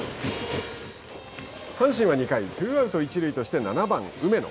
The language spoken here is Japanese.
阪神は２回ツーアウト、一塁として７番梅野。